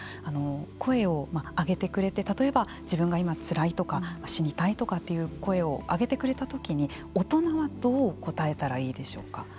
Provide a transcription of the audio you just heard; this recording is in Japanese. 声を上げてくれて自分が今つらいとか死にたいとかという声を上げてくれた時に大人はどう答えたらいいでしょうか。